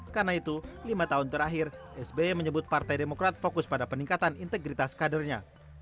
karena itu lima tahun terakhir sby menyebut partai demokrat fokus pada peningkatan integritas kadernya